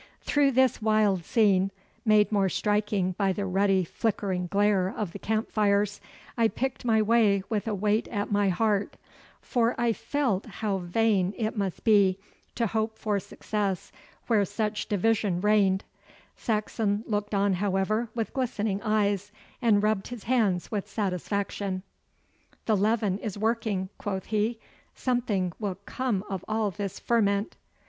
Through this wild scene, made more striking by the ruddy flickering glare of the camp fires, I picked my way with a weight at my heart, for I felt how vain it must be to hope for success where such division reigned, Saxon looked on, however, with glistening eyes, and rubbed his hands with satisfaction. 'The leaven is working,' quoth he. 'Something will come of all this ferment.